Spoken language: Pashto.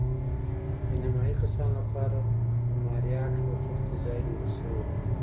د نیمایي کسانو لپاره د ماریاټ هوټل کې ځای نیول شوی و.